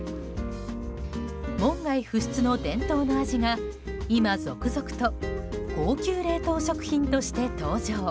門外不出の伝統の味が今、続々と高級冷凍食品として登場。